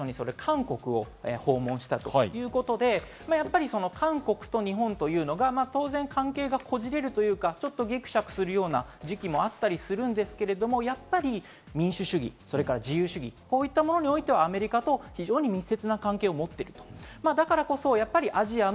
今回、バイデン大統領がまず最初に韓国を訪問したということで、やっぱり韓国と日本というのが当然、関係がこじれるというか、ちょっとぎくしゃくするような時期もあったりするんですけど、やっぱり民主主義、それから自由主義、こういったものにおいてはアメリカと非常に密接な関係を持っている。